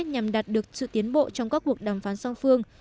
nhằm đạt được sự tiến bộ trong các cuộc đàm phán song phương